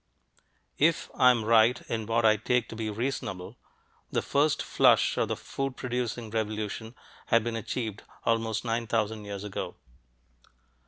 If I am right in what I take to be "reasonable," the first flush of the food producing revolution had been achieved almost nine thousand years ago.